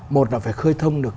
một là phải khơi thông được